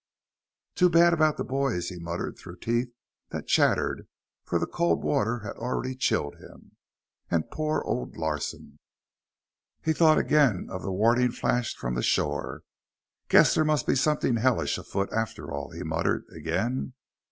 "Too bad about the boys," he muttered through teeth that chattered, for the cold water had already chilled him. "And poor old Larsen." He thought again of the warning flashed from the shore. "Guess there must be something hellish afoot after all," he muttered again.